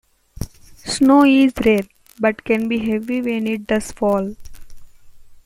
Snow is rare, but can be heavy when it does fall.